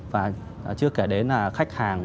và chưa kể đến là khách hàng